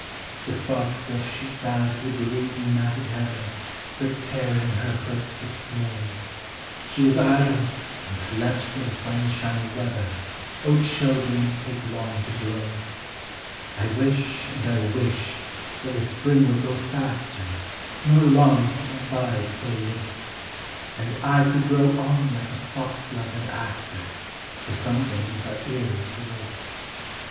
The foxglove shoots out of the green matted heather. Preparing her hoods of snow ; She was idle, and slept till the sunshiny weather: O, children take long to grow. 1 wish, and I wish, that the spring would go faster, Nor long summer bide so late; And I could grow on like the foxglove and aster, For some things are ill to wait.